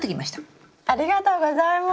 ありがとうございます。